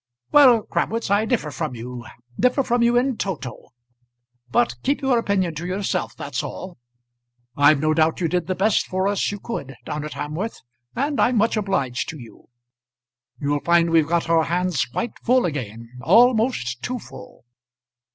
"Well, Crabwitz, I differ from you, differ from you in toto. But keep your opinion to yourself, that's all. I've no doubt you did the best for us you could down at Hamworth, and I'm much obliged to you. You'll find we've got our hands quite full again, almost too full."